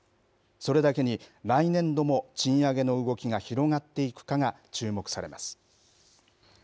それだけに来年度も賃上げの動きが広がっていくかが注目されます。